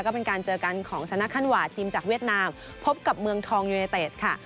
ก็เป็นการเจอกันของสนาคันหวาดทีมจากเวียดนามพบกับเมืองทองยูเนเต็ดค่ะ